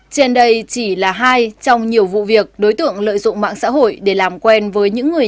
trên đây chỉ là hai trong nhiều vụ việc đối tượng lợi dụng mạng xã hội để làm quen với những người